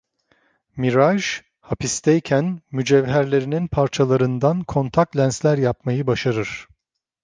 Mirage, hapisteyken mücevherlerinin parçalarından kontakt lensler yapmayı başarır.